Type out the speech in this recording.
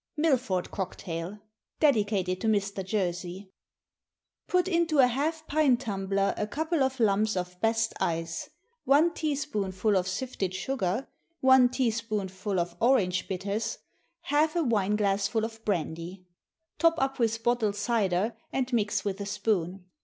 Milford Cocktail. (Dedicated to Mr. Jersey.) Put into a half pint tumbler a couple of lumps of best ice, one teaspoonful of sifted sugar, one teaspoonful of orange bitters, half a wine glassful of brandy. Top up with bottled cider, and mix with a spoon.